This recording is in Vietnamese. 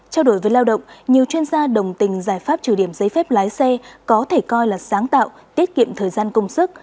trao đổi với lao động nhiều chuyên gia đồng tình giải pháp trừ điểm giấy phép lái xe có thể coi là sáng tạo tiết kiệm thời gian công sức